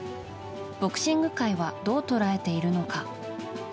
ボクシング界はどう捉えているのか。